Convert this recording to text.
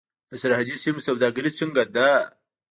د سرحدي سیمو سوداګري څنګه ده؟